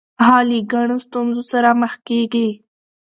هغه له ګڼو ستونزو سره مخ کیږي.